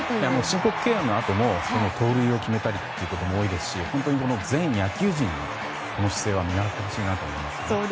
申告敬遠のあとも盗塁を決めたりということも多いですし、本当に全野球人にこの姿勢は見習ってほしいなと思います。